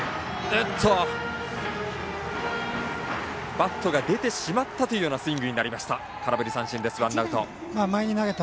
バットが出てしまったというスイングになりました。